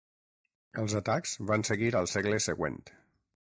Els atacs van seguir al segle següent.